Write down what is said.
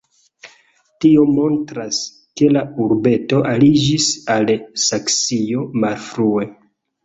Tio montras, ke la urbeto aliĝis al Saksio malfrue.